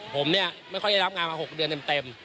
ผมเนี่ยไม่ค่อยได้รับงานมา๖เดือนเต็ม